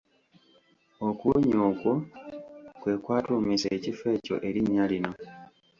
Okuwunya okwo kwe kwatuumisa ekifo ekyo erinnya lino.